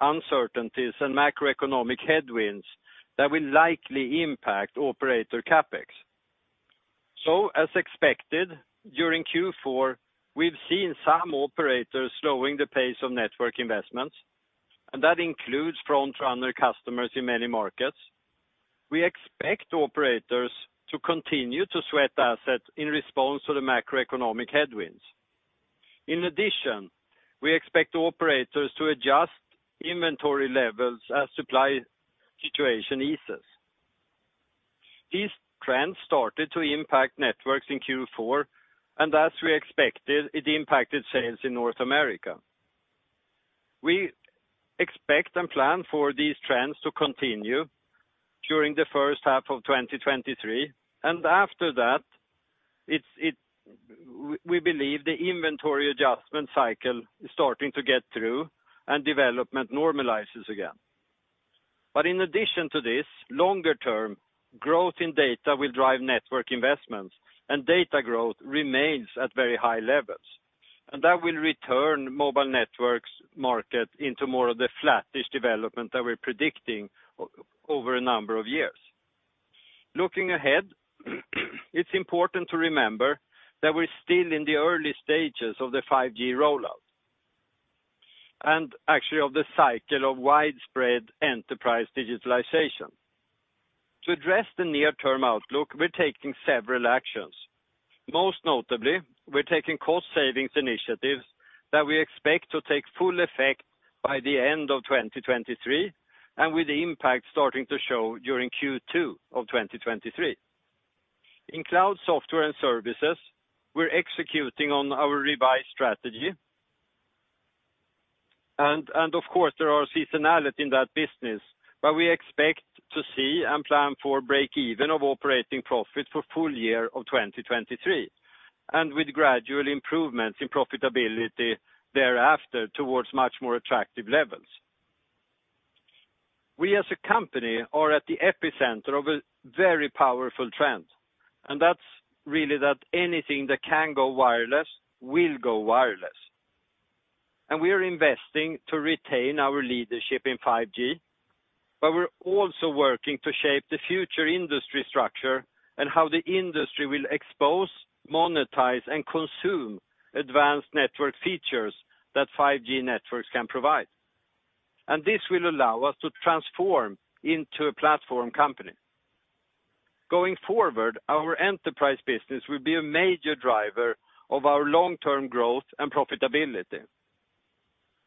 Uncertainties and macroeconomic headwinds that will likely impact operator CapEx. As expected, during Q4, we've seen some operators slowing the pace of network investments, and that includes frontrunner customers in many markets. We expect operators to continue to sweat assets in response to the macroeconomic headwinds. In addition, we expect operators to adjust inventory levels as supply situation eases. These trends started to impact networks in Q4, and as we expected, it impacted sales in North America. We expect and plan for these trends to continue during the first half of 2023. After that, we believe the inventory adjustment cycle is starting to get through and development normalizes again. In addition to this, longer term, growth in data will drive network investments, and data growth remains at very high levels. That will return mobile networks market into more of the flattish development that we're predicting over a number of years. Looking ahead, it's important to remember that we're still in the early stages of the 5G rollout. Actually of the cycle of widespread enterprise digitalization. To address the near-term outlook, we're taking several actions. Most notably, we're taking cost savings initiatives that we expect to take full effect by the end of 2023, and with impact starting to show during Q2 of 2023. In Cloud Software and Services, we're executing on our revised strategy. Of course, there are seasonality in that business, but we expect to see and plan for breakeven of operating profit for full year of 2023, and with gradual improvements in profitability thereafter towards much more attractive levels. We, as a company, are at the epicenter of a very powerful trend, and that's really that anything that can go wireless will go wireless. We are investing to retain our leadership in 5G, but we're also working to shape the future industry structure and how the industry will expose, monetize, and consume advanced network features that 5G networks can provide. This will allow us to transform into a platform company. Going forward, our enterprise business will be a major driver of our long-term growth and profitability.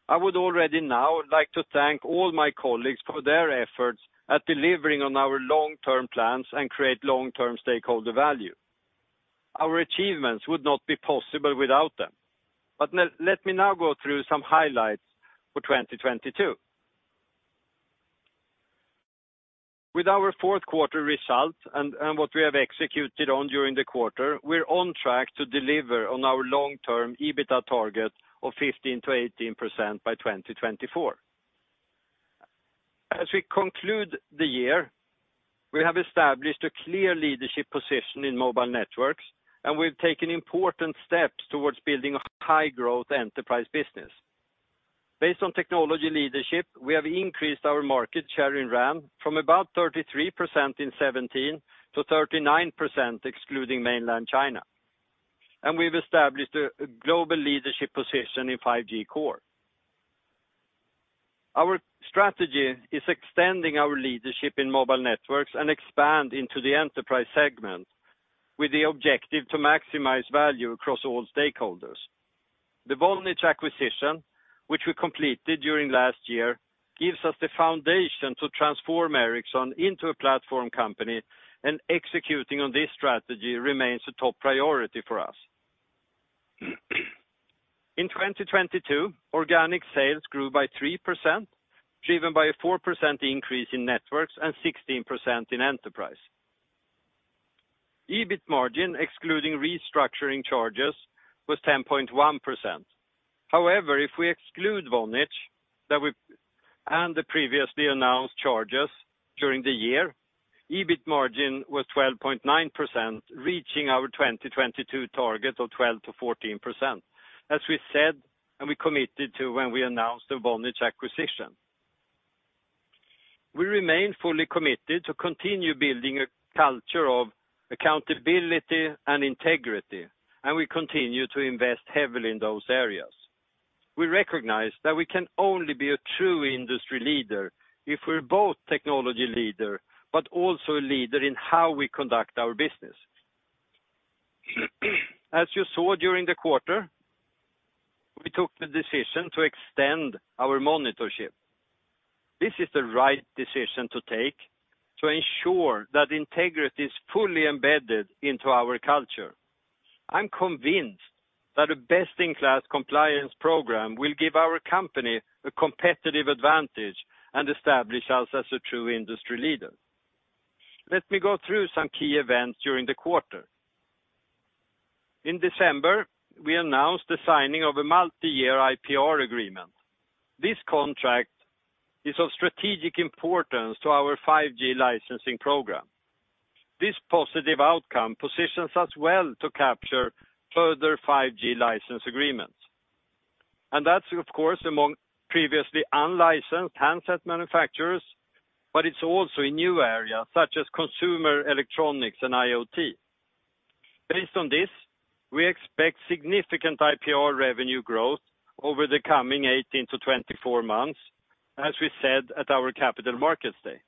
I would already now like to thank all my colleagues for their efforts at delivering on our long-term plans and create long-term stakeholder value. Our achievements would not be possible without them. Let me now go through some highlights for 2022. With our fourth quarter results and what we have executed on during the quarter, we're on track to deliver on our long-term EBITA target of 15%-18% by 2024. As we conclude the year, we have established a clear leadership position in mobile networks, and we've taken important steps towards building a high-growth enterprise business. Based on technology leadership, we have increased our market share in RAN from about 33% in 2017 to 39%, excluding Mainland China. We've established a global leadership position in 5G core. Our strategy is extending our leadership in mobile networks and expand into the enterprise segment with the objective to maximize value across all stakeholders. The Vonage acquisition, which we completed during last year, gives us the foundation to transform Ericsson into a platform company, and executing on this strategy remains a top priority for us. In 2022, organic sales grew by 3%, driven by a 4% increase in Networks and 16% in Enterprise. EBIT margin, excluding restructuring charges, was 10.1%. If we exclude Vonage and the previously announced charges during the year, EBIT margin was 12.9%, reaching our 2022 target of 12%-14%, as we said and we committed to when we announced the Vonage acquisition. We remain fully committed to continue building a culture of accountability and integrity, and we continue to invest heavily in those areas. We recognize that we can only be a true industry leader if we're both technology leader, but also a leader in how we conduct our business. As you saw during the quarter, we took the decision to extend our monitorship. This is the right decision to take to ensure that integrity is fully embedded into our culture. I'm convinced that a best-in-class compliance program will give our company a competitive advantage and establish us as a true industry leader. Let me go through some key events during the quarter. In December, we announced the signing of a multi-year IPR agreement. This contract is of strategic importance to our 5G licensing program. This positive outcome positions us well to capture further 5G license agreements. That's of course among previously unlicensed handset manufacturers, but it's also a new area such as consumer electronics and IoT. Based on this, we expect significant IPR revenue growth over the coming 18-24 months, as we said at our Capital Markets Day.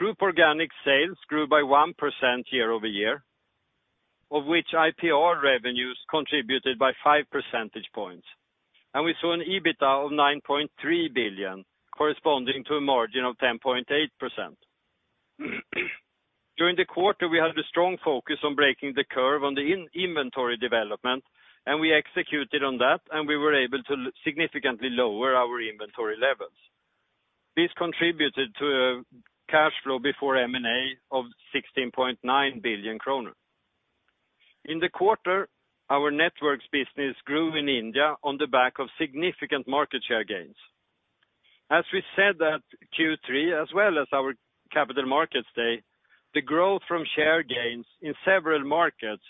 Group organic sales grew by 1% year-over-year, of which IPR revenues contributed by 5 percentage points. We saw an EBITDA of 9.3 billion, corresponding to a margin of 10.8%. During the quarter, we had a strong focus on breaking the curve on the in-inventory development, and we executed on that, and we were able to significantly lower our inventory levels. This contributed to a cash flow before M&A of 16.9 billion kronor. In the quarter, our networks business grew in India on the back of significant market share gains. As we said at Q3, as well as our Capital Markets Day, the growth from share gains in several markets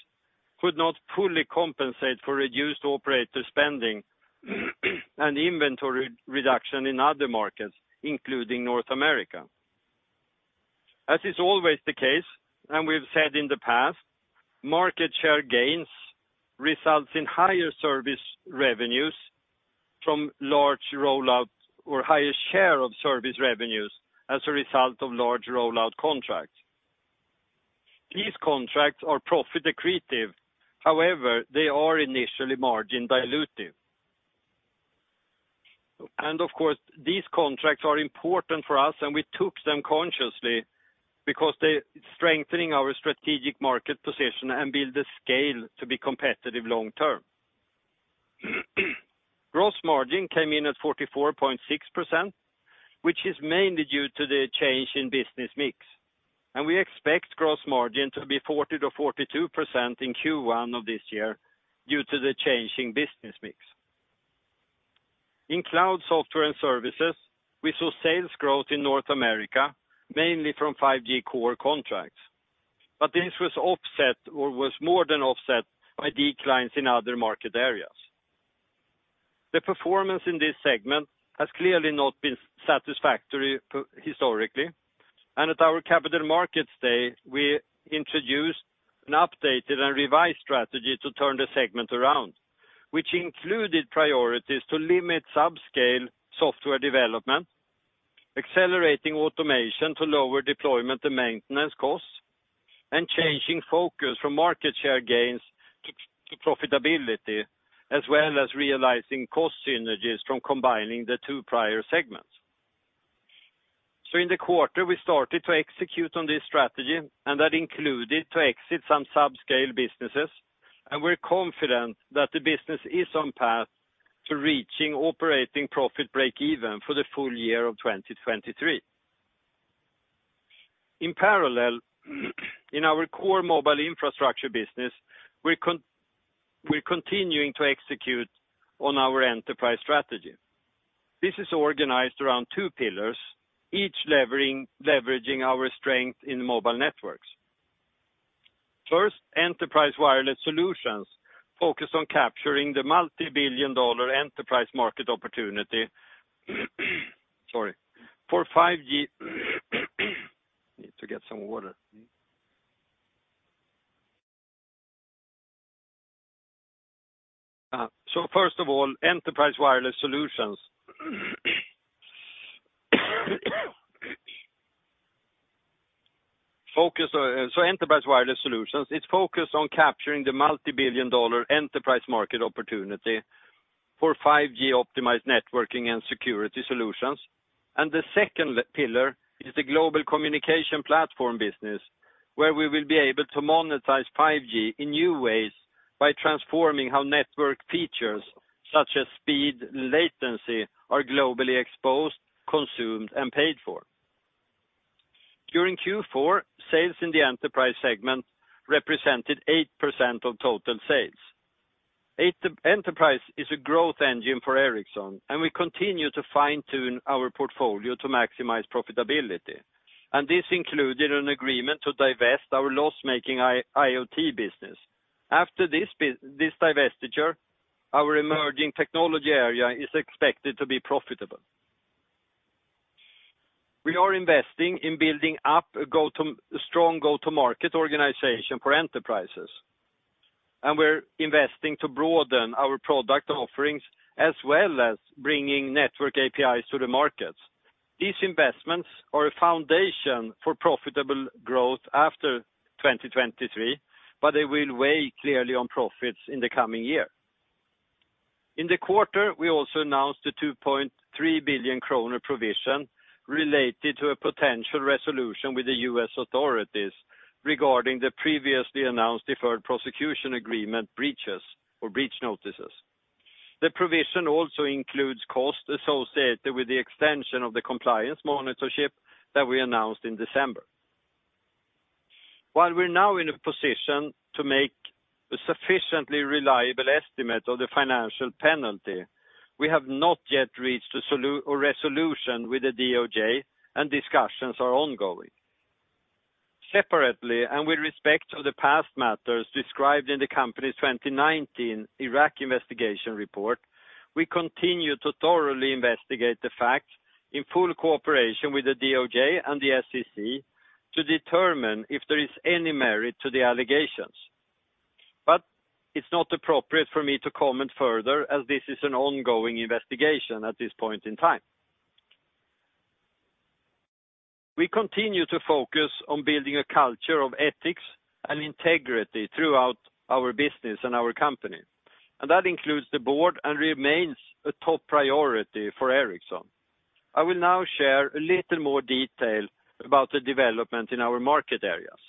could not fully compensate for reduced operator spending and inventory reduction in other markets, including North America. As is always the case, we've said in the past, market share gains results in higher service revenues from large rollout or higher share of service revenues as a result of large rollout contracts. These contracts are profit accretive. However, they are initially margin dilutive. Of course, these contracts are important for us, and we took them consciously because they're strengthening our strategic market position and build the scale to be competitive long term. Gross margin came in at 44.6%, which is mainly due to the change in business mix. We expect Gross margin to be 40%-42% in Q1 of this year due to the change in business mix. In Cloud Software and Services, we saw sales growth in North America, mainly from 5G core contracts. This was offset or was more than offset by declines in other market areas. The performance in this segment has clearly not been satisfactory historically. At our Capital Markets Day, we introduced an updated and revised strategy to turn the segment around, which included priorities to limit subscale software development, accelerating automation to lower deployment and maintenance costs, and changing focus from market share gains to profitability, as well as realizing cost synergies from combining the two prior segments. In the quarter, we started to execute on this strategy, and that included to exit some subscale businesses. We're confident that the business is on path to reaching operating profit break even for the full year of 2023. In parallel, in our core mobile infrastructure business, we're continuing to execute on our enterprise strategy. This is organized around two pillars, each leveraging our strength in mobile networks. First of all, Enterprise Wireless Solutions is focused on capturing the multibillion-dollar enterprise market opportunity for 5G optimized networking and security solutions. The second pillar is the Global Communication Platform business, where we will be able to monetize 5G in new ways by transforming how network features such as speed, latency, are globally exposed, consumed, and paid for. During Q4, sales in the enterprise segment represented 8% of total sales. Enterprise is a growth engine for Ericsson, and we continue to fine-tune our portfolio to maximize profitability. This included an agreement to divest our loss-making IoT business. After this divestiture, our emerging technology area is expected to be profitable. We are investing in building up a strong go-to-market organization for enterprises. We're investing to broaden our product offerings, as well as bringing network APIs to the markets. These investments are a foundation for profitable growth after 2023, but they will weigh clearly on profits in the coming year. In the quarter, we also announced a 2.3 billion kronor provision related to a potential resolution with the U.S. authorities regarding the previously announced Deferred Prosecution Agreement breaches or breach notices. The provision also includes costs associated with the extension of the compliance monitorship that we announced in December. While we're now in a position to make a sufficiently reliable estimate of the financial penalty, we have not yet reached a resolution with the DOJ, and discussions are ongoing. Separately, with respect to the past matters described in the company's 2019 Iraq investigation report, we continue to thoroughly investigate the facts in full cooperation with the DOJ and the SEC to determine if there is any merit to the allegations. It's not appropriate for me to comment further as this is an ongoing investigation at this point in time. We continue to focus on building a culture of ethics and integrity throughout our business and our company, that includes the board and remains a top priority for Ericsson. I will now share a little more detail about the development in our market areas.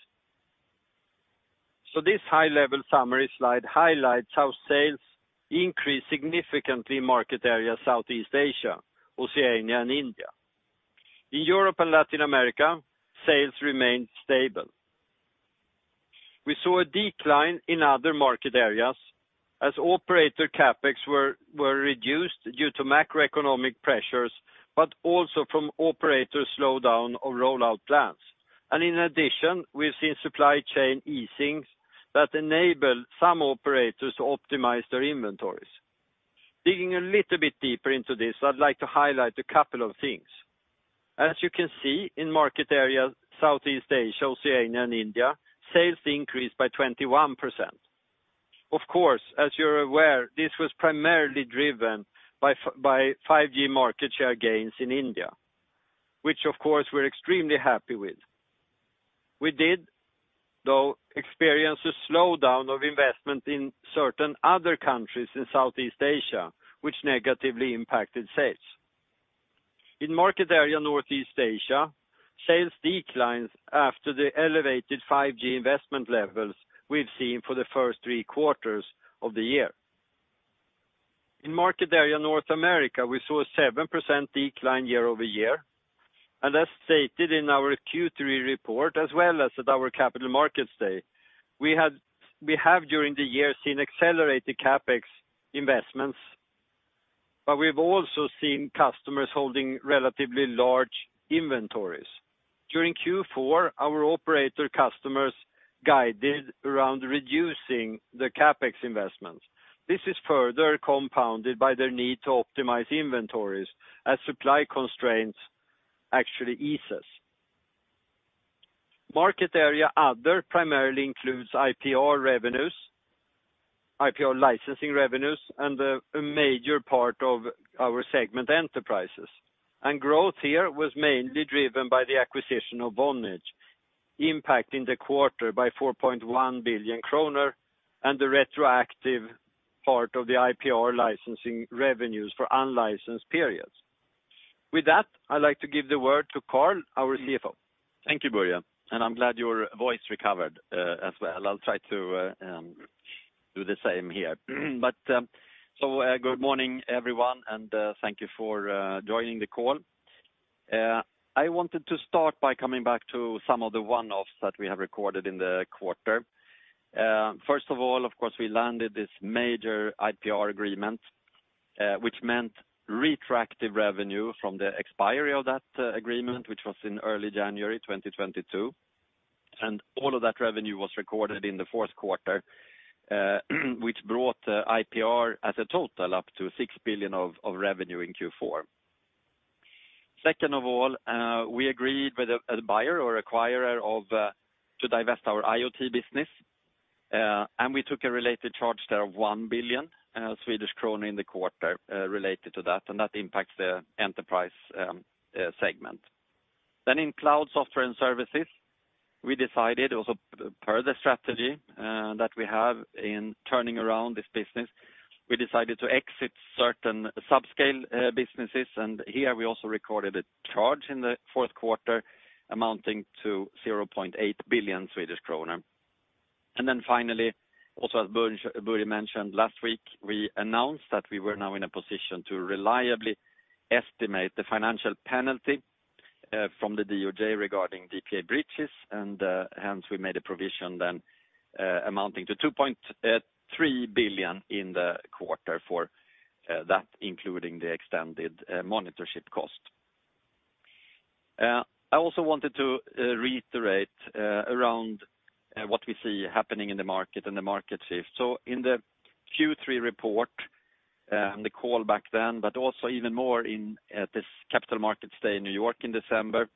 This high-level summary slide highlights how sales increased significantly in market area Southeast Asia, Oceania, and India. In Europe and Latin America, sales remained stable. We saw a decline in other market areas as operator CapEx were reduced due to macroeconomic pressures, but also from operators slow down of rollout plans. In addition, we've seen supply chain easings that enable some operators to optimize their inventories. Digging a little bit deeper into this, I'd like to highlight a couple of things. As you can see in market areas, Southeast Asia, Oceania, and India, sales increased by 21%. Of course, as you're aware, this was primarily driven by 5G market share gains in India, which of course we're extremely happy with. We did, though, experience a slowdown of investment in certain other countries in Southeast Asia, which negatively impacted sales. In market area Northeast Asia, sales declines after the elevated 5G investment levels we've seen for the first three quarters of the year. In market area North America, we saw a 7% decline year-over-year. As stated in our Q3 report, as well as at our Capital Markets Day, we have during the year seen accelerated CapEx investments, but we've also seen customers holding relatively large inventories. During Q4, our operator customers guided around reducing the CapEx investments. This is further compounded by their need to optimize inventories as supply constraints actually eases. Market area Other primarily includes IPR revenues, IPR licensing revenues, and a major part of our segment enterprises. Growth here was mainly driven by the acquisition of Vonage, impacting the quarter by 4.1 billion kronor and the retroactive part of the IPR licensing revenues for unlicensed periods. With that, I'd like to give the word to Carl, our CFO. Thank you, Börje. I'm glad your voice recovered, as well. I'll try to do the same here. Good morning, everyone, and thank you for joining the call. I wanted to start by coming back to some of the one-offs that we have recorded in the quarter. First of all, of course, we landed this major IPR agreement, which meant retroactive revenue from the expiry of that agreement, which was in early January 2022. All of that revenue was recorded in the fourth quarter, which brought IPR as a total up to 6 billion of revenue in Q4. Second of all, we agreed with a buyer or acquirer to divest our IoT business, and we took a related charge there of 1 billion Swedish krona in the quarter related to that, and that impacts the enterprise segment. In Cloud Software and Services, we decided also per the strategy that we have in turning around this business, we decided to exit certain subscale businesses. Here we also recorded a charge in the fourth quarter amounting to 0.8 billion Swedish kronor. Finally, also as Börje mentioned last week, we announced that we were now in a position to reliably estimate the financial penalty from the DOJ regarding DPA breaches. Hence we made a provision then amounting to $2.3 billion in the quarter for that, including the extended monitorship cost. I also wanted to reiterate around what we see happening in the market and the market shift. In the Q3 report, the call back then, but also even more in this Capital Markets Day in New York in December,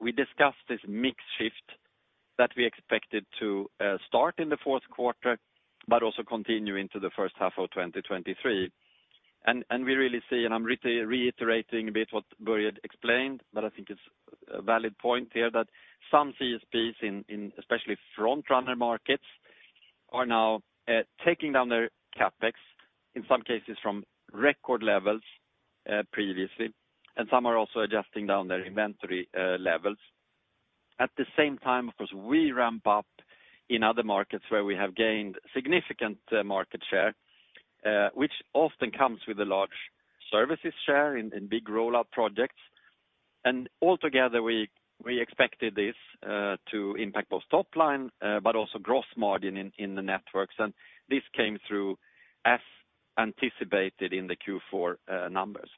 we discussed this mix shift that we expected to start in the fourth quarter, but also continue into the first half of 2023. We really see, and I'm reiterating a bit what Börje explained, but I think it's a valid point here, that some CSPs in especially frontrunner markets are now taking down their CapEx, in some cases from record levels previously, and some are also adjusting down their inventory levels. At the same time, of course, we ramp up in other markets where we have gained significant market share, which often comes with a large services share in big rollout projects. Altogether, we expected this to impact both top line, but also gross margin in the networks. This came through as anticipated in the Q4 numbers.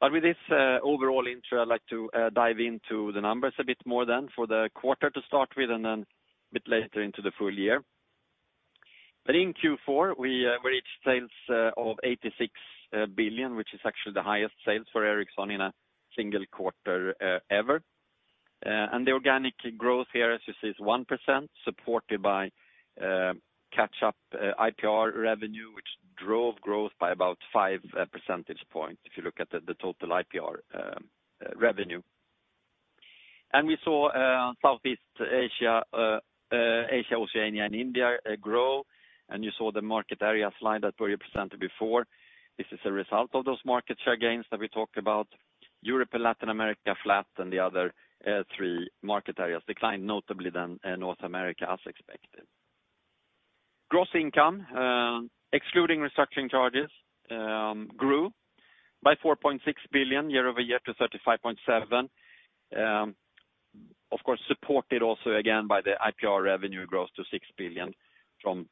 I'd like to dive into the numbers a bit more then for the quarter to start with, and then a bit later into the full year. In Q4, we reached sales of 86 billion, which is actually the highest sales for Ericsson in a single quarter ever. And the organic growth here, as you see, is 1%, supported by catch-up IPR revenue, which drove growth by about 5 percentage points, if you look at the total IPR revenue. We saw Southeast Asia, Oceania, and India grow, and you saw the market area slide that Börje presented before. This is a result of those market share gains that we talked about. Europe and Latin America flat. The other, three market areas declined, notably than, North America, as expected. Gross income, excluding restructuring charges, grew by $4.6 billion year-over-year to $35.7 billion. Of course, supported also again by the IPR revenue growth to $6 billion from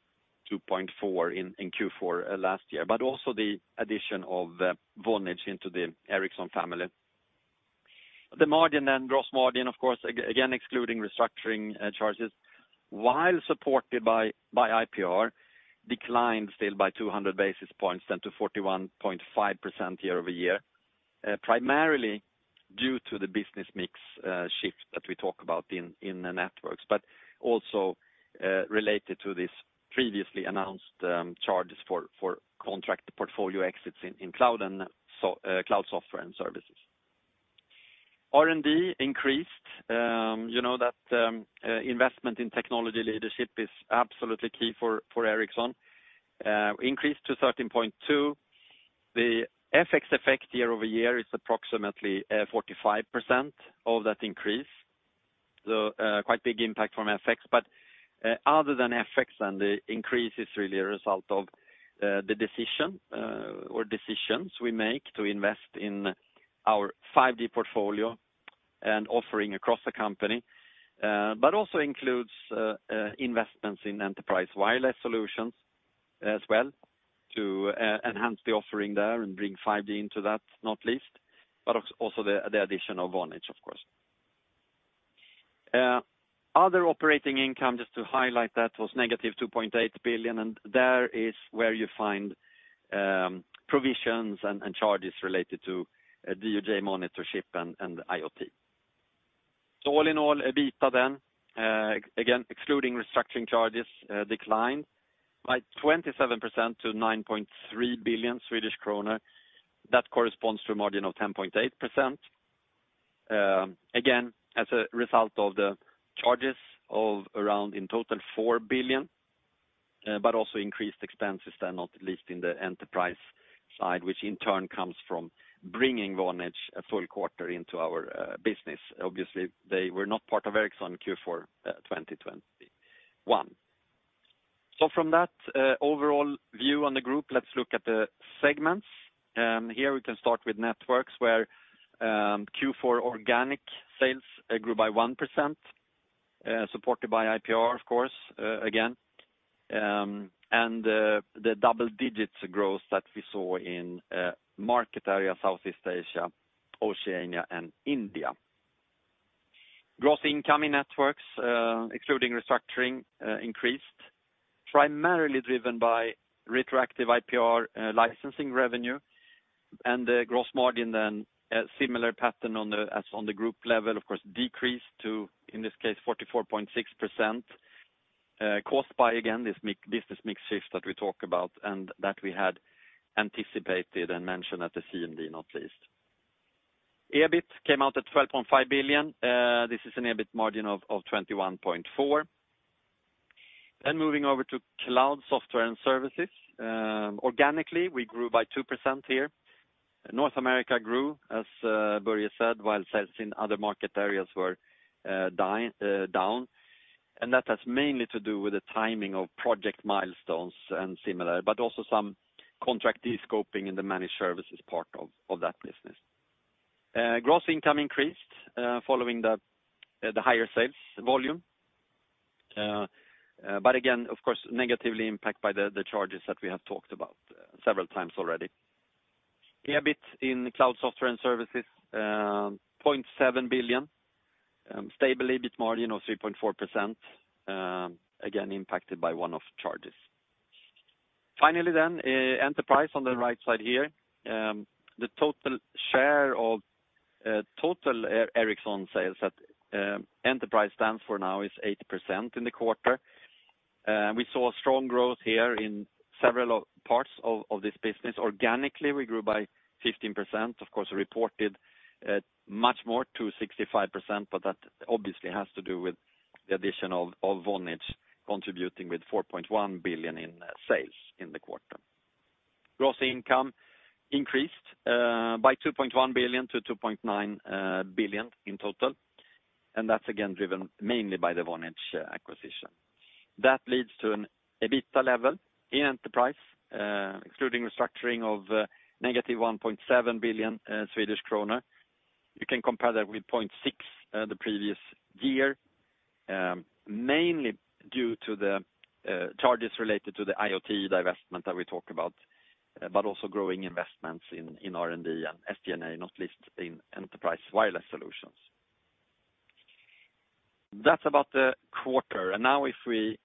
$2.4 billion in Q4 last year, but also the addition of Vonage into the Ericsson family. The margin and gross margin, of course, again, excluding restructuring, charges, while supported by IPR, declined still by 200 basis points then to 41.5% year-over-year, primarily due to the business mix shift that we talk about in the networks, but also, related to this previously announced, charges for contract portfolio exits in cloud and Cloud Software and Services. R&D increased, you know that investment in technology leadership is absolutely key for Ericsson, increased to 13.2. The FX effect year-over-year is approximately 45% of that increase. Quite big impact from FX. Other than FX and the increase is really a result of the decision or decisions we make to invest in our 5G portfolio and offering across the company. Also includes investments in Enterprise Wireless Solutions as well to enhance the offering there and bring 5G into that, not least, but also the addition of Vonage, of course. Other operating income, just to highlight that, was -$2.8 billion, and there is where you find provisions and charges related to DOJ monitorship and IoT. All in all, EBITDA again, excluding restructuring charges, declined by 27% to 9.3 billion Swedish kronor. That corresponds to a margin of 10.8%. Again, as a result of the charges of around, in total, 4 billion, but also increased expenses there, not least in the enterprise side, which in turn comes from bringing Vonage a full quarter into our business. Obviously, they were not part of Ericsson Q4 2021. From that overall view on the group, let's look at the segments. Here we can start with networks where Q4 organic sales grew by 1%, supported by IPR, of course, again. The double digits growth that we saw in market area, Southeast Asia, Oceania and India. Gross income in networks, excluding restructuring, increased, primarily driven by retroactive IPR licensing revenue and the gross margin, then a similar pattern on the, as on the group level, of course, decreased to, in this case, 44.6%. Caused by, again, this mix, business mix shift that we talked about and that we had anticipated and mentioned at the CMD, not least. EBIT came out at $12.5 billion. This is an EBIT margin of 21.4%. Moving over to Cloud Software and Services. Organically, we grew by 2% here. North America grew, as Börje said, while sales in other market areas were down. That has mainly to do with the timing of project milestones and similar, but also some contract de-scoping in the managed services part of that business. Gross income increased following the higher sales volume. Again, of course, negatively impacted by the charges that we have talked about several times already. EBIT in Cloud Software and Services, 0.7 billion, stable EBIT margin of 3.4%, again impacted by one-off charges. Finally, Enterprise on the right side here. The total share of total Ericsson sales that Enterprise stands for now is 80% in the quarter. We saw strong growth here in several parts of this business. Organically, we grew by 15%, of course, reported much more to 65%, but that obviously has to do with the addition of Vonage contributing with 4.1 billion in sales in the quarter. Gross income increased by 2.1 billion to 2.9 billion in total. That's again driven mainly by the Vonage acquisition. That leads to an EBITDA level in Enterprise, excluding restructuring of negative 1.7 billion Swedish kronor. You can compare that with 0.6 billion the previous year, mainly due to the charges related to the IoT divestment that we talked about, but also growing investments in R&D and SG&A, not least in Enterprise Wireless Solutions. That's about the quarter. Now if we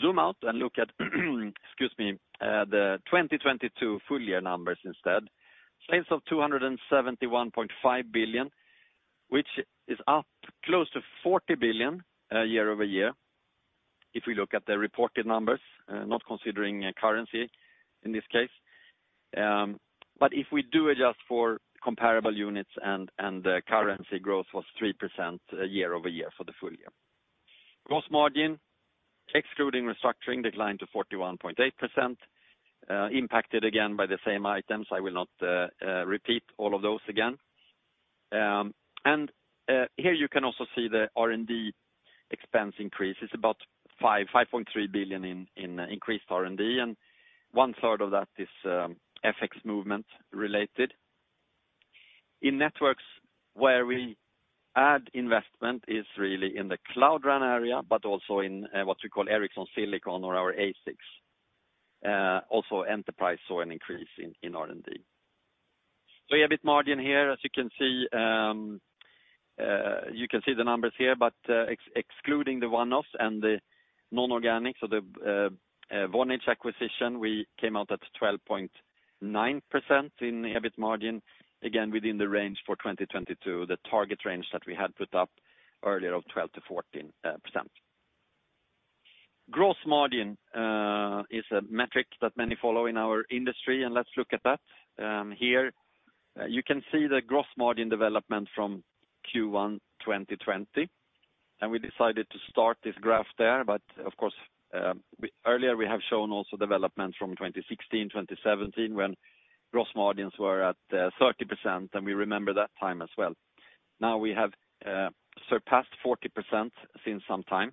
zoom out and look at, excuse me, the 2022 full year numbers instead. Sales of 271.5 billion, which is up close to 40 billion year-over-year if we look at the reported numbers, not considering currency in this case. If we do adjust for comparable units and the currency growth was 3% year-over-year for the full year. Gross margin, excluding restructuring, declined to 41.8%, impacted again by the same items. I will not repeat all of those again. Here you can also see the R&D expense increase. It's about 5.3 billion in increased R&D, and one third of that is FX movement related. In Networks where we add investment is really in the Cloud RAN area, but also in what we call Ericsson Silicon or our ASICs. Also Enterprise saw an increase in R&D. EBIT margin here, as you can see, you can see the numbers here, excluding the one-offs and the non-organic, so the Vonage acquisition, we came out at 12.9% in the EBIT margin, again within the range for 2022, the target range that we had put up earlier of 12%-14%. Gross margin is a metric that many follow in our industry, and let's look at that. Here you can see the gross margin development from Q1 2020. We decided to start this graph there. Of course, earlier we have shown also development from 2016, 2017 when gross margins were at 30%, and we remember that time as well. Now we have surpassed 40% since some time.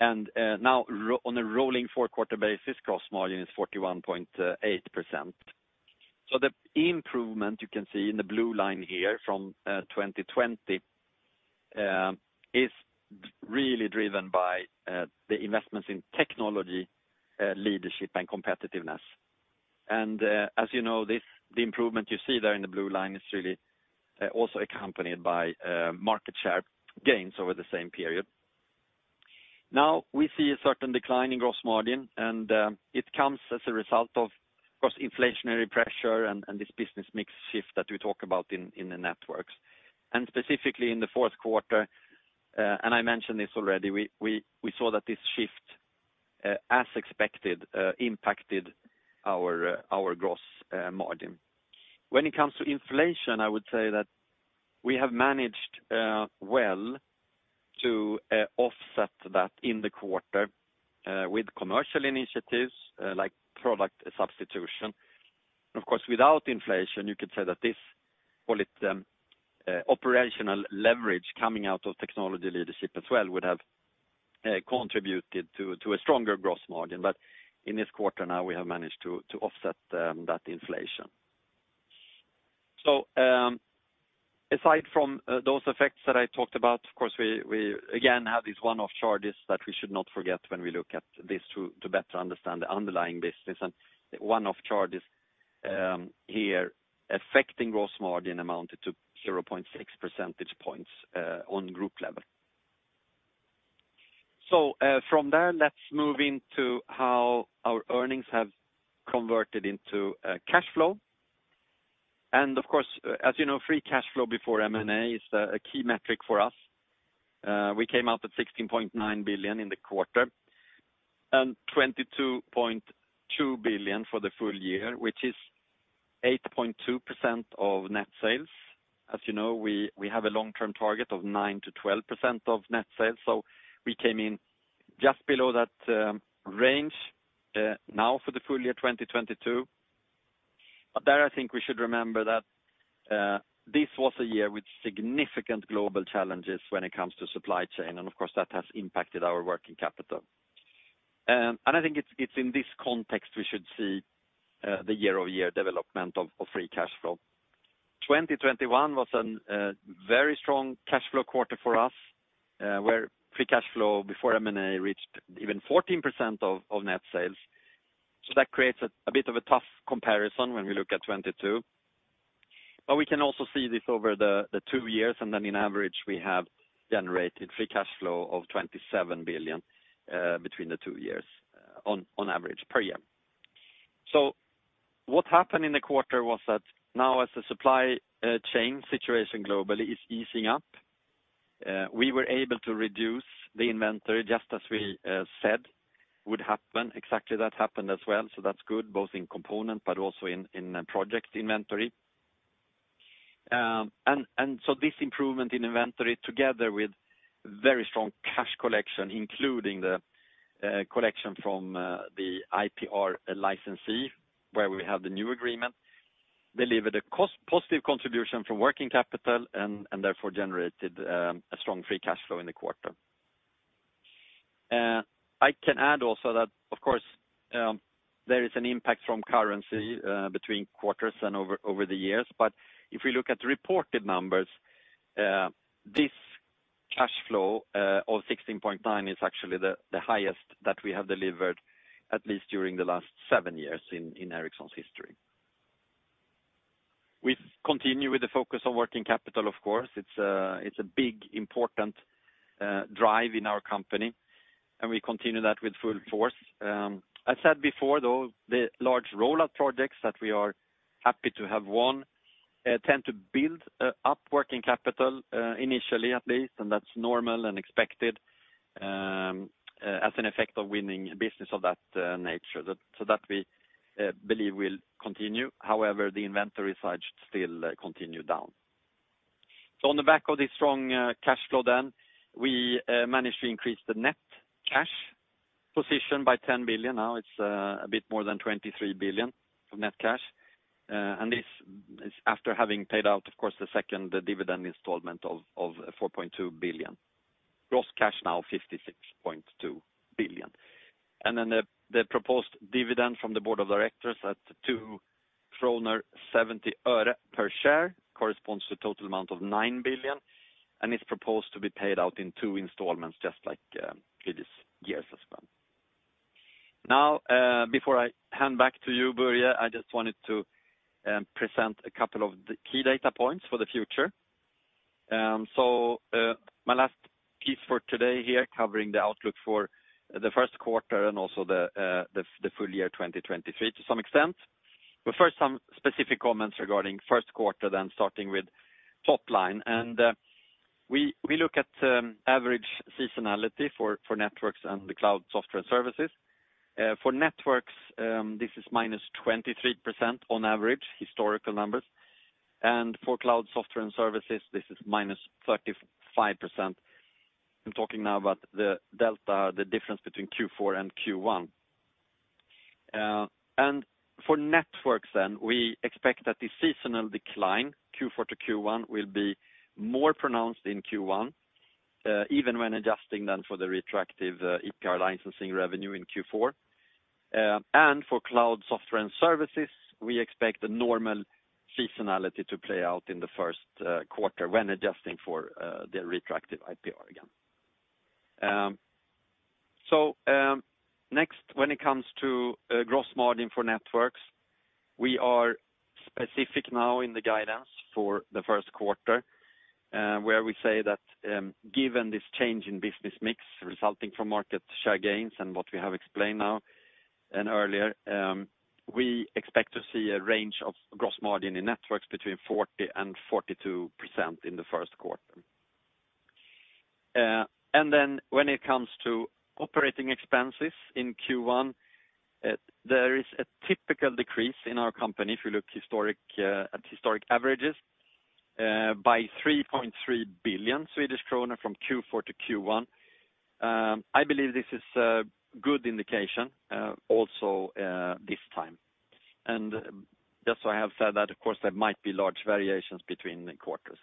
Now on a rolling four-quarter basis, gross margin is 41.8%. The improvement you can see in the blue line here from 2020 is really driven by the investments in technology leadership and competitiveness. As you know, this, the improvement you see there in the blue line is really also accompanied by market share gains over the same period. Now we see a certain decline in gross margin, it comes as a result of gross inflationary pressure and this business mix shift that we talk about in the Networks. Specifically in the fourth quarter, and I mentioned this already, we saw that this shift, as expected, impacted our gross margin. When it comes to inflation, I would say that we have managed well to offset that in the quarter with commercial initiatives like product substitution. Of course, without inflation, you could say that this, call it, operational leverage coming out of technology leadership as well would have contributed to a stronger gross margin. In this quarter now we have managed to offset that inflation. Aside from those effects that I talked about, of course we again have these one-off charges that we should not forget when we look at this to better understand the underlying business. One-off charges here affecting gross margin amounted to 0.6 percentage points on group level. From there, let's move into how our earnings have converted into cash flow. Of course, as you know, free cash flow before M&A is a key metric for us. We came out at 16.9 billion in the quarter and 22.2 billion for the full year, which is 8.2% of net sales. As you know, we have a long-term target of 9%-12% of net sales. We came in just below that range now for the full year 2022. There I think we should remember that this was a year with significant global challenges when it comes to supply chain, and of course that has impacted our working capital. I think it's in this context we should see the year-over-year development of free cash flow. 2021 was an very strong cash flow quarter for us, where free cash flow before M&A reached even 14% of net sales. That creates a bit of a tough comparison when we look at 2022. We can also see this over the two years, and then in average, we have generated free cash flow of 27 billion, between the two years on average per year. What happened in the quarter was that now as the supply chain situation globally is easing up, we were able to reduce the inventory just as we said would happen. Exactly that happened as well. That's good, both in component but also in project inventory. This improvement in inventory, together with very strong cash collection, including the collection from the IPR licensee, where we have the new agreement, delivered a cost-positive contribution from working capital and therefore generated a strong free cash flow in the quarter. I can add also that of course, there is an impact from currency between quarters and over the years. If we look at the reported numbers, this cash flow of 16.9 is actually the highest that we have delivered at least during the last seven years in Ericsson's history. We continue with the focus on working capital, of course. It's a big, important drive in our company, and we continue that with full force. I said before, though, the large rollout projects that we are happy to have won, tend to build up working capital initially at least, and that's normal and expected, as an effect of winning business of that nature. That we believe will continue. However, the inventory side should still continue down. On the back of this strong cash flow then, we managed to increase the net cash position by 10 billion. Now it's a bit more than 23 billion of net cash. This is after having paid out, of course, the second dividend installment of 4.2 billion. Gross cash now 56.2 billion. The proposed dividend from the board of directors at SEK 2.70 per share corresponds to a total amount of 9 billion and is proposed to be paid out in two installments, just like previous years as well. Before I hand back to you, Börje, I just wanted to present a couple of the key data points for the future. My last piece for today here covering the outlook for the first quarter and also the full year 2023 to some extent. First, some specific comments regarding first quarter then starting with top line. We look at average seasonality for networks and Cloud Software and Services. For networks, this is -23% on average historical numbers. For Cloud Software and Services, this is minus 35%. I'm talking now about the delta, the difference between Q4 and Q1. For Networks, we expect that the seasonal decline, Q4 to Q1, will be more pronounced in Q1, even when adjusting for the retroactive IPR licensing revenue in Q4. For Cloud Software and Services, we expect a normal seasonality to play out in the first quarter when adjusting for the retroactive IPR again. Next, when it comes to gross margin for networks, we are specific now in the guidance for the first quarter, where we say that, given this change in business mix resulting from market share gains and what we have explained now and earlier, we expect to see a range of gross margin in networks between 40%-42% in the first quarter. When it comes to operating expenses in Q1, there is a typical decrease in our company if you look historic, at historic averages, by 3.3 billion Swedish krona from Q4 to Q1. I believe this is a good indication, also, this time. Just so I have said that, of course, there might be large variations between the quarters.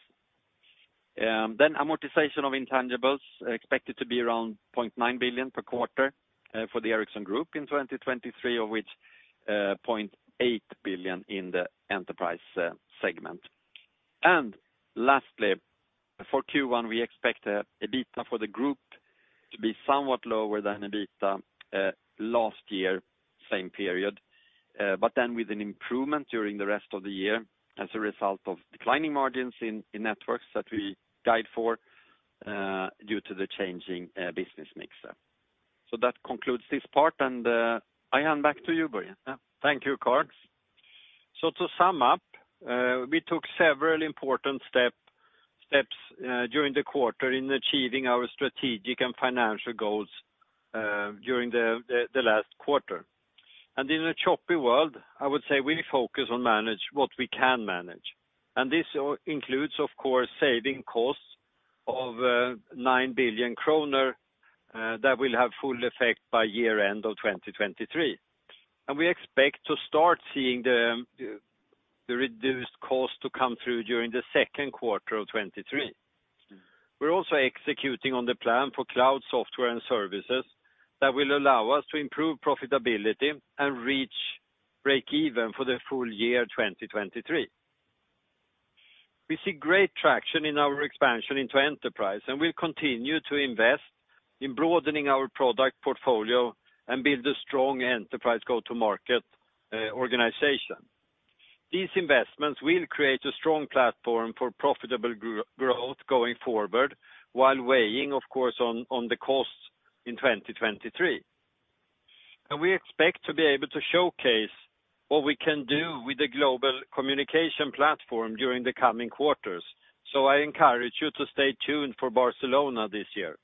Amortization of intangibles expected to be around 0.9 billion per quarter for the Ericsson Group in 2023, of which 0.8 billion in the enterprise segment. Lastly, for Q1, we expect EBITDA for the Group to be somewhat lower than EBITDA last year, same period. With an improvement during the rest of the year as a result of declining margins in Networks that we guide for due to the changing business mix. That concludes this part. I hand back to you, Börje. Thank you, Carl. To sum up, we took several important steps during the quarter in achieving our strategic and financial goals during the last quarter. In a choppy world, I would say we focus on manage what we can manage. This includes, of course, saving costs of 9 billion kronor that will have full effect by year end of 2023. We expect to start seeing the reduced cost to come through during the second quarter of 2023. We're also executing on the plan for Cloud Software and Services that will allow us to improve profitability and reach break even for the full year 2023. We see great traction in our expansion into enterprise, and we'll continue to invest in broadening our product portfolio and build a strong enterprise go-to-market organization. These investments will create a strong platform for profitable growth going forward while weighing, of course, on the costs in 2023. We expect to be able to showcase what we can do with the Global Communication Platform during the coming quarters. I encourage you to stay tuned for Barcelona this year.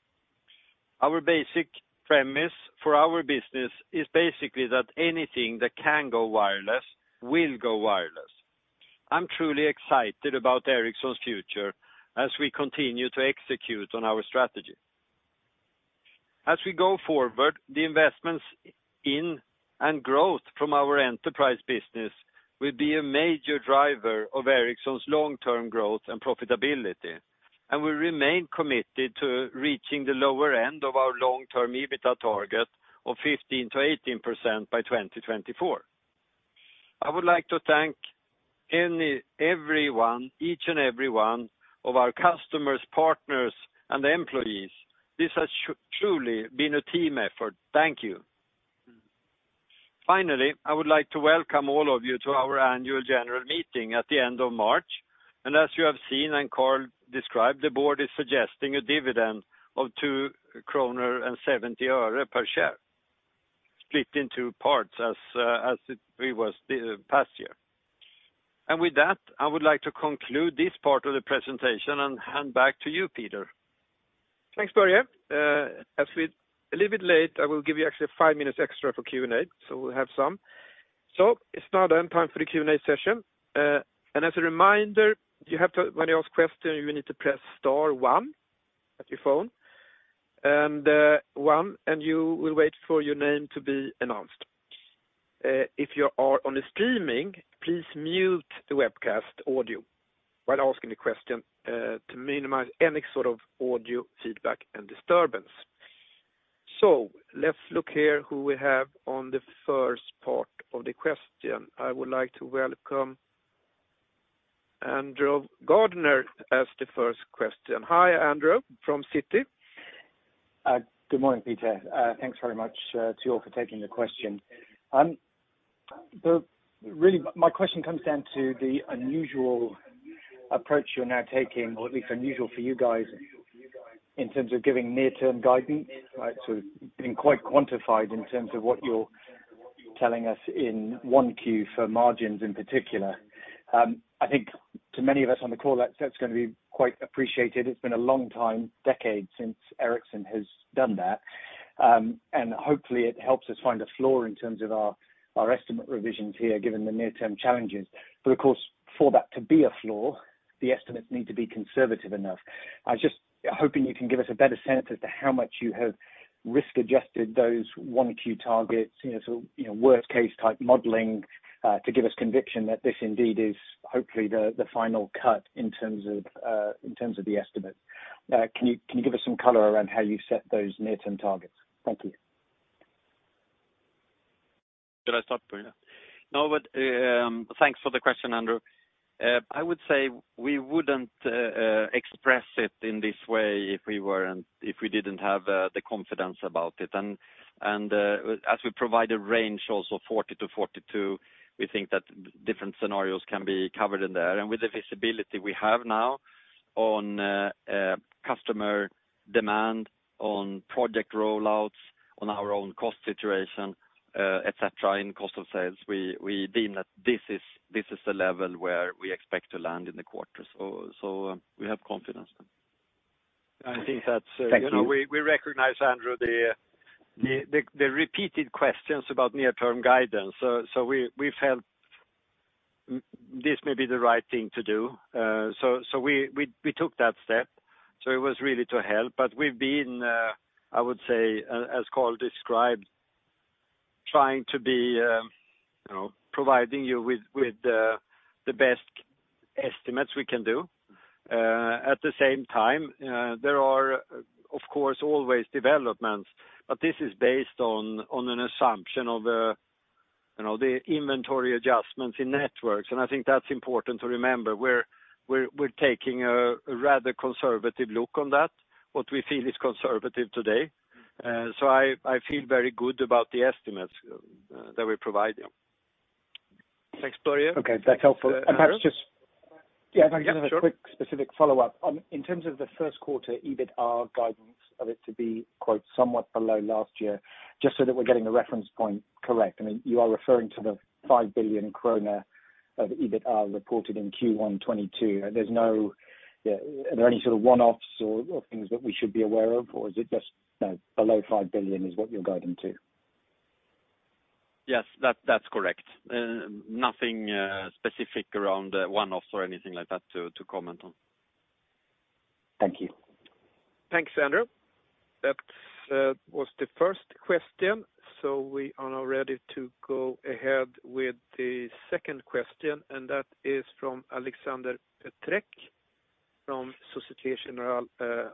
Our basic premise for our business is basically that anything that can go wireless will go wireless. I'm truly excited about Ericsson's future as we continue to execute on our strategy. As we go forward, the investments in and growth from our Enterprise business will be a major driver of Ericsson's long-term growth and profitability, and we remain committed to reaching the lower end of our long-term EBITDA target of 15%-18% by 2024. I would like to thank everyone each and every one of our customers, partners, and employees. This has truly been a team effort. Thank you. Finally, I would like to welcome all of you to our annual general meeting at the end of March. As you have seen and Carl described, the board is suggesting a dividend of 2.70 kronor per share, split in two parts as it was the past year. With that, I would like to conclude this part of the presentation and hand back to you, Peter. Thanks, Börje. as we're a little bit late, I will give you actually five minutes extra for Q&A, so we'll have some. It's now then time for the Q&A session. as a reminder, when you ask question, you need to press star 1 at your phone, and one and you will wait for your name to be announced. if you are on the streaming, please mute the webcast audio while asking the question, to minimize any sort of audio feedback and disturbance. Let's look here who we have on the first part of the question. I would like to welcome Andrew Gardiner as the first question. Hi, Andrew from Citi. Good morning, Peter. Thanks very much to you all for taking the question. Really, my question comes down to the unusual approach you're now taking, or at least unusual for you guys in terms of giving near-term guidance. Being quite quantified in terms of what you're telling us in one Q for margins in particular. I think to many of us on the call, that's going to be quite appreciated. It's been a long time, decades, since Ericsson has done that. Hopefully it helps us find a floor in terms of our estimate revisions here, given the near-term challenges. Of course, for that to be a floor, the estimates need to be conservative enough. I was just hoping you can give us a better sense as to how much you have risk-adjusted those 1Q targets, you know, worst case type modeling, to give us conviction that this indeed is hopefully the final cut in terms of the estimate. Can you give us some color around how you set those near-term targets? Thank you. Should I start, Börje? No, but, thanks for the question, Andrew. I would say we wouldn't express it in this way if we didn't have the confidence about it. As we provide a range, also 40-42, we think that different scenarios can be covered in there. With the visibility we have now on customer demand, on project rollouts, on our own cost situation, et cetera, in cost of sales, we deem that this is the level where we expect to land in the quarter. We have confidence. Thank you. I think that's, you know, we recognize, Andrew, the repeated questions about near-term guidance. We felt this may be the right thing to do. We took that step. It was really to help. We've been, I would say, as Carl described, trying to be, you know, providing you with the best estimates we can do. At the same time, there are, of course, always developments, but this is based on an assumption of, you know, the inventory adjustments in networks, and I think that's important to remember. We're taking a rather conservative look on that, what we feel is conservative today. I feel very good about the estimates that we provide you. Thanks, Börje. Okay. That's helpful. Perhaps. Yeah. Yeah. Can I just have a quick specific follow-up? In terms of the first quarter, EBITA guidance of it to be, quote, "somewhat below last year," just so that we're getting the reference point correct. I mean, you are referring to the 5 billion kronor of EBITA reported in Q1 2022. There's no... Are there any sort of one-offs or things that we should be aware of? Or is it just below 5 billion is what you're guiding to? Yes, that's correct. Nothing specific around one-offs or anything like that to comment on. Thank you. Thanks, Andrew. That was the first question. We are now ready to go ahead with the second question, and that is from Alexander Duval from Societe Generale.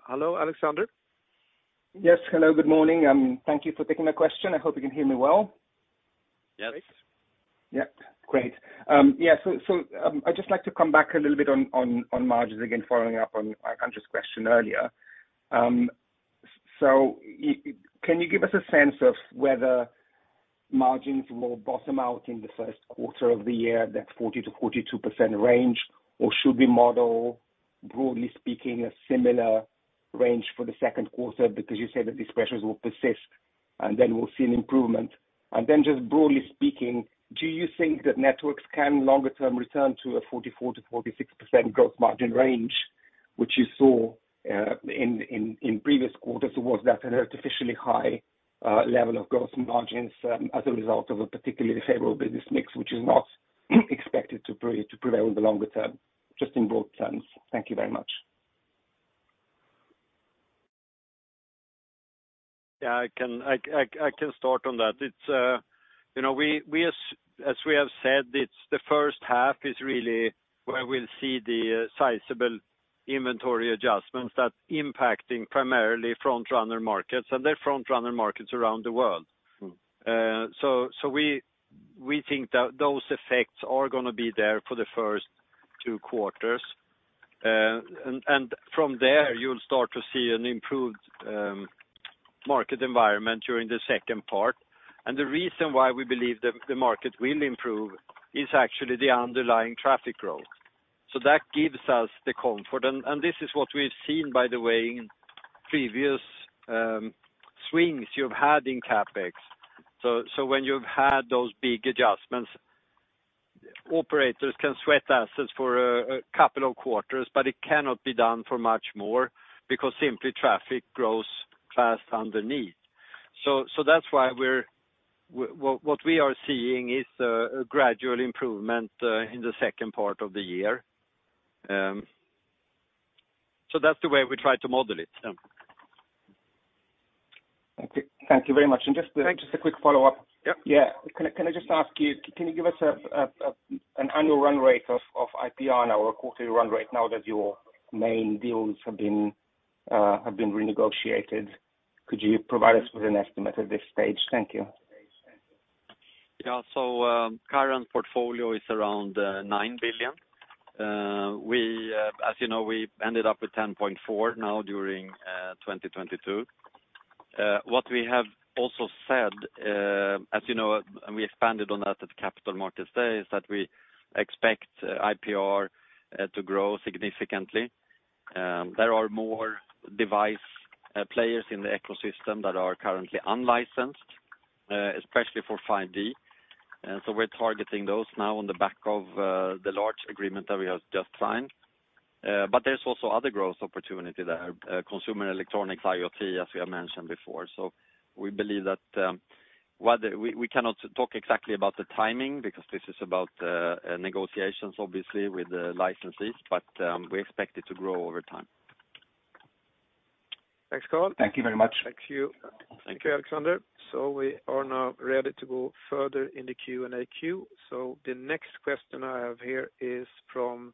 Hello, Alexander. Yes. Hello, good morning, thank you for taking the question. I hope you can hear me well. Yes. Great. Yeah. Great. Yeah. I'd just like to come back a little bit on margins again, following up on Andrew's question earlier. Can you give us a sense of whether margins will bottom out in the first quarter of the year, that 40%-42% range? Should we model, broadly speaking, a similar range for the second quarter? You said that these pressures will persist. We'll see an improvement. Just broadly speaking, do you think that networks can longer term return to a 44%-46% growth margin range which you saw in previous quarters? Was that an artificially high level of growth margins as a result of a particularly favorable business mix which is not expected to prevail in the longer term? Just in broad terms. Thank you very much. Yeah, I can start on that. It's, you know, we as we have said, it's the first half is really where we'll see the sizable inventory adjustments that's impacting primarily front-runner markets. They're front-runner markets around the world. Mm. So we think that those effects are going to be there for the first two quarters. From there, you'll start to see an improved market environment during the second part. The reason why we believe the market will improve is actually the underlying traffic growth. That gives us the comfort. This is what we've seen, by the way, in previous swings you've had in CapEx. When you've had those big adjustments, operators can sweat assets for a couple of quarters, but it cannot be done for much more because simply traffic grows fast underneath. That's why what we are seeing is a gradual improvement in the second part of the year. That's the way we try to model it. Yeah. Okay, thank you very much. Thanks. Just a quick follow-up. Yep. Yeah. Can I just ask you, can you give us an annual run rate of IPR on our quarterly run rate now that your main deals have been renegotiated? Could you provide us with an estimate at this stage? Thank you. Current portfolio is around 9 billion. We, as you know, ended up with 10.4 billion now during 2022. What we have also said, as you know, and we expanded on that at Capital Markets Day, is that we expect IPR to grow significantly. There are more device players in the ecosystem that are currently unlicensed, especially for 5G. We're targeting those now on the back of the large agreement that we have just signed. There's also other growth opportunity there, consumer electronics, IoT, as we have mentioned before. We believe that, while We cannot talk exactly about the timing because this is about negotiations obviously with the licensees, we expect it to grow over time. Thanks, Carl. Thank you very much. Thank you. Thank you, Alexander. We are now ready to go further in the Q&A queue. The next question I have here is from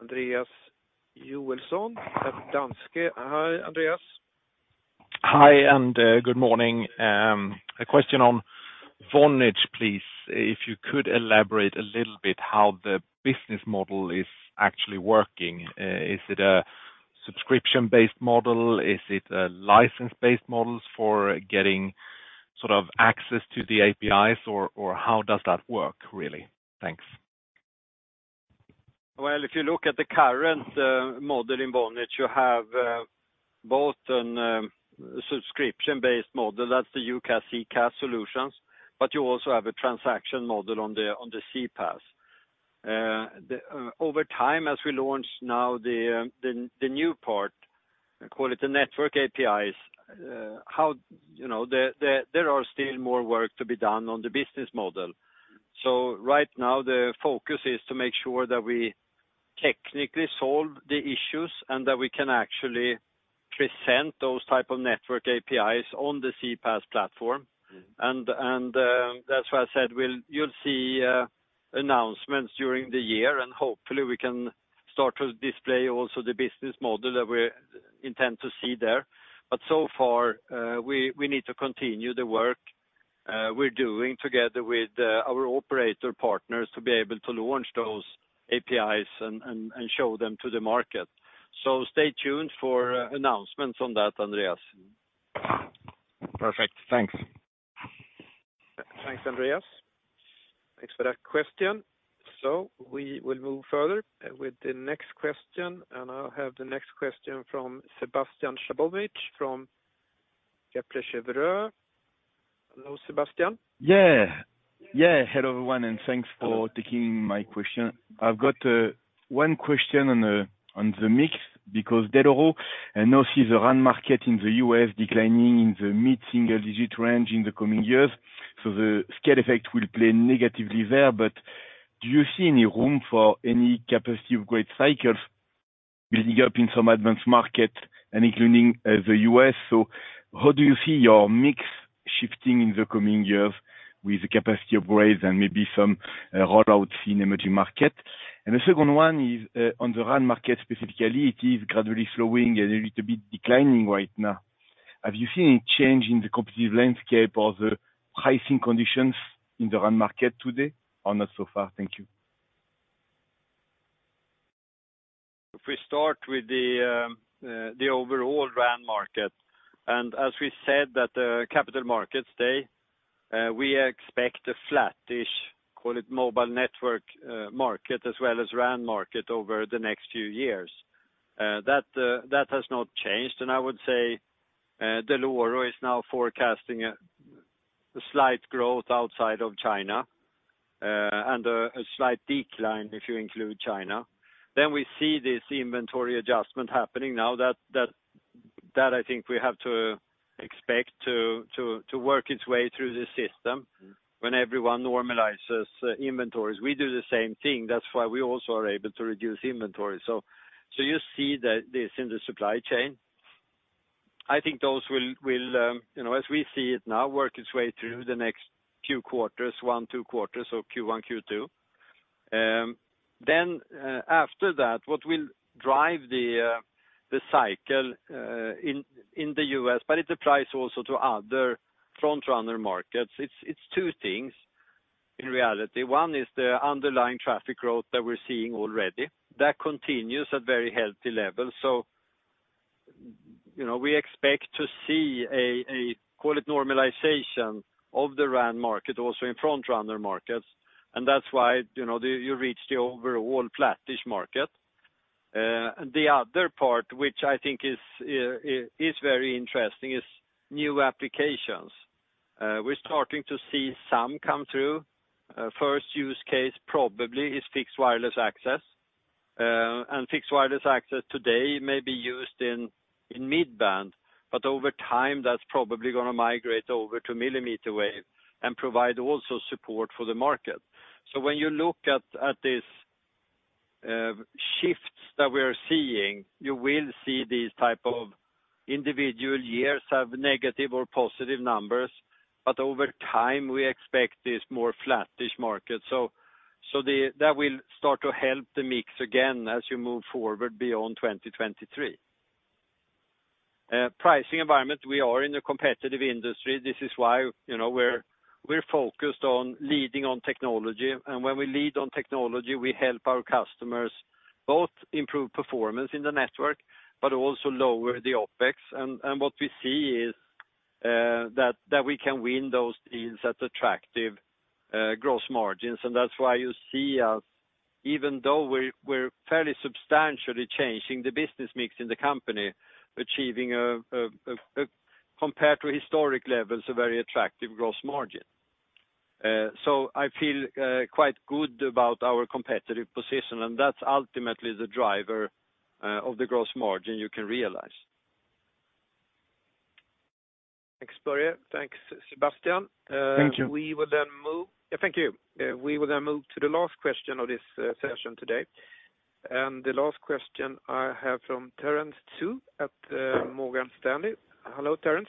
Andreas Joelsson at Danske. Hi, Andreas. Hi, good morning. A question on Vonage, please. If you could elaborate a little bit how the business model is actually working. Is it a subscription-based model? Is it a license-based models for getting sort of access to the APIs or how does that work, really? Thanks. If you look at the current model in Vonage, you have both an subscription-based model, that's the UCaaS, CCaaS solutions, but you also have a transaction model on the CPaaS. The over time, as we launch now the new part, call it the network APIs, how, you know. There are still more work to be done on the business model. So right now, the focus is to make sure that we technically solve the issues and that we can actually present those type of network APIs on the CPaaS platform. Mm. That's why I said you'll see announcements during the year, and hopefully we can start to display also the business model that we intend to see there. So far, we need to continue the work we're doing together with our operator partners to be able to launch those APIs and show them to the market. Stay tuned for announcements on that, Andreas. Perfect. Thanks. Thanks, Andreas. Thanks for that question. We will move further with the next question, and I'll have the next question from Sébastien Sztabowicz, from Kepler Cheuvreux. Hello, Sebastian. Yeah. Yeah. Hello, everyone, thanks for taking my question. I've got one question on the mix, because Dell'Oro Group now sees the RAN market in the U.S. declining in the mid-single digit range in the coming years, so the scale effect will play negatively there. Do you see any room for any capacity upgrade cycles building up in some advanced markets and including the U.S.? How do you see your mix shifting in the coming years with the capacity upgrades and maybe some rollouts in emerging markets? The second one is on the RAN market specifically. It is gradually slowing and a little bit declining right now. Have you seen any change in the competitive landscape or the pricing conditions in the RAN market today, or not so far? Thank you. If we start with the overall RAN market, and as we said at the Capital Markets Day, we expect a flattish, call it mobile network, market as well as RAN market over the next few years. That has not changed. I would say, Dell'Oro is now forecasting a slight growth outside of China, and a slight decline if you include China. We see this inventory adjustment happening now that I think we have to expect to work its way through the system when everyone normalizes inventories. We do the same thing. That's why we also are able to reduce inventory. You see that this in the supply chain. I think those will, you know, as we see it now, work its way through the next few quarters, one, two quarters, so Q1, Q2. Then, after that, what will drive the cycle in the U.S., but it applies also to other front-runner markets. It's two things in reality. One is the underlying traffic growth that we're seeing already. That continues at very healthy levels. You know, we expect to see a call it normalization of the RAN market also in front-runner markets, and that's why, you know, you reach the overall flattish market. The other part, which I think is very interesting, is new applications. We're starting to see some come through. First use case probably is Fixed Wireless Access. Fixed wireless access today may be used in mid-band, but over time, that's probably gonna migrate over to millimeter wave and provide also support for the market. When you look at this shifts that we're seeing, you will see these type of individual years have negative or positive numbers, but over time, we expect this more flattish market. That will start to help the mix again as you move forward beyond 2023. Pricing environment, we are in a competitive industry. This is why, you know, we're focused on leading on technology. When we lead on technology, we help our customers both improve performance in the network but also lower the OpEx. What we see is that we can win those deals at attractive gross margins. That's why you see us, even though we're fairly substantially changing the business mix in the company, achieving a compared to historic levels, a very attractive gross margin. I feel quite good about our competitive position, and that's ultimately the driver of the gross margin you can realize. Thanks, Börje. Thanks, Sébastien. Thank you. Yeah, thank you. We will then move to the last question of this session today. The last question I have from Terence Tsui at Morgan Stanley. Hello, Terence.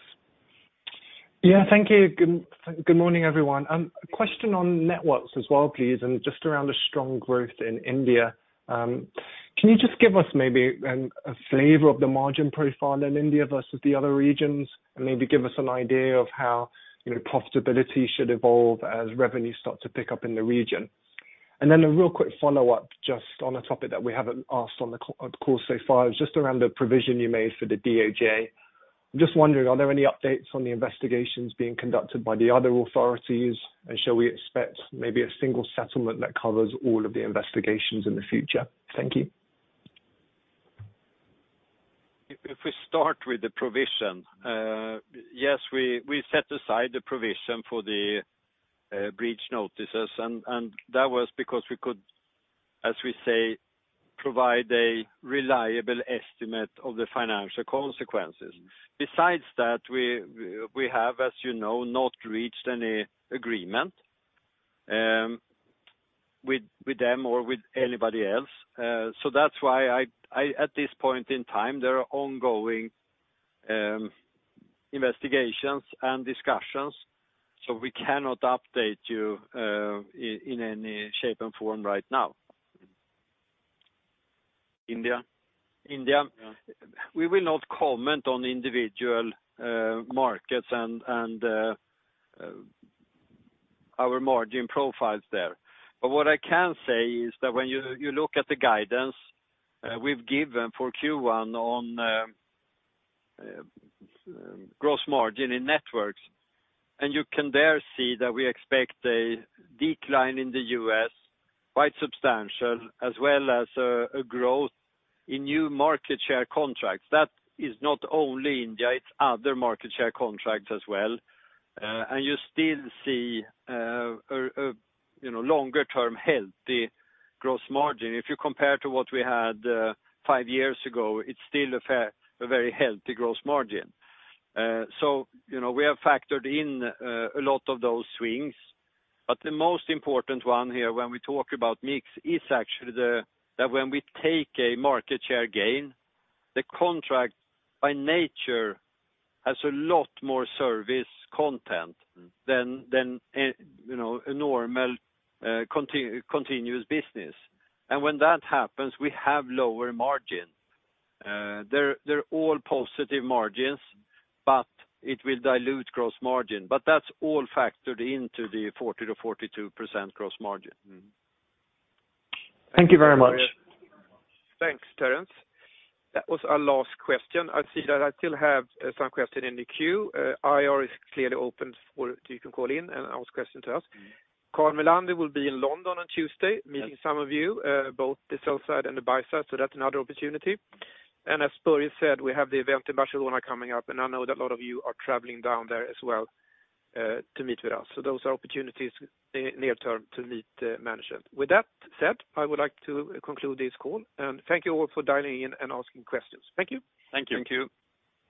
Yeah, thank you. Good morning, everyone. A question on networks as well, please, just around the strong growth in India. Can you just give us maybe a flavor of the margin profile in India versus the other regions? Maybe give us an idea of how, you know, profitability should evolve as revenues start to pick up in the region. Then a real quick follow-up just on a topic that we haven't asked on the call so far, just around the provision you made for the DOJ. I'm just wondering, are there any updates on the investigations being conducted by the other authorities? Shall we expect maybe a single settlement that covers all of the investigations in the future? Thank you. If we start with the provision, yes, we set aside the provision for the breach notices and that was because we could, as we say, provide a reliable estimate of the financial consequences. Besides that, we have, as you know, not reached any agreement with them or with anybody else. That's why at this point in time, there are ongoing investigations and discussions, so we cannot update you in any shape and form right now. India? India. Yeah. We will not comment on individual markets and our margin profiles there. What I can say is that when you look at the guidance we've given for Q1 on gross margin in networks, you can there see that we expect a decline in the US quite substantial, as well as a growth in new market share contracts. That is not only India, it's other market share contracts as well. You still see a, you know, longer-term healthy gross margin. If you compare to what we had five years ago, it's still a very healthy gross margin. You know, we have factored in a lot of those swings. The most important one here when we talk about mix is actually that when we take a market share gain, the contract by nature has a lot more service content than, you know, a normal, continuous business. When that happens, we have lower margin. They're all positive margins, but it will dilute gross margin. That's all factored into the 40%-42% gross margin. Thank you very much. Thanks, Terence. That was our last question. I see that I still have some question in the queue. IR is clearly open for... You can call in and ask question to us. Carl Mellander will be in London on Tuesday, meeting some of you, both the sell side and the buy side. That's another opportunity. As Börje said, we have the event in Barcelona coming up, and I know that a lot of you are traveling down there as well to meet with us. Those are opportunities in near term to meet management. With that said, I would like to conclude this call, and thank you all for dialing in and asking questions. Thank you. Thank you. Thank you.